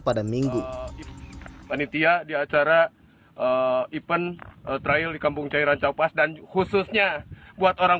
pada minggu panitia di acara event trial di kampung cairan capas dan khususnya buat orang